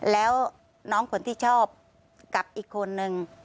แล้วน้องคนที่ชอบกับอีกคนนึง